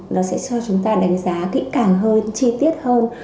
để chúng ta đánh giá kỹ càng hơn chi tiết hơn